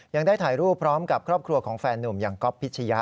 ยังได้ถ่ายรูปพร้อมกับครอบครัวของแฟนหนุ่มอย่างก๊อฟพิชยะ